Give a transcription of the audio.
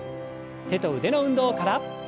手と腕の運動から。